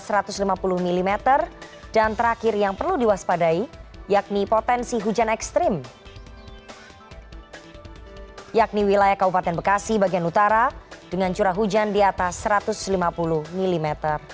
selanjutnya untuk potensi hujan yang perlu diwaspadai potensi serupa dengan curah hujan antara lima puluh hingga seratus mm